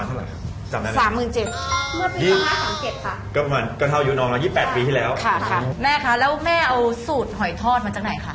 แล้วแม่เอาสูตรหอยทอดอันนี้มาจากไหนค่ะ